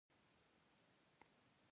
پیرودونکی د عمل ژبه ښه پوهېږي.